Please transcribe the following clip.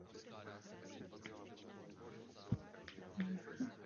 Oblast spravuje Odbor ochrany přírody Pardubického kraje.